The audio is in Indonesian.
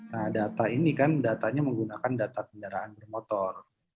nah data ini kan datanya menggunakan data kendaraan bermotor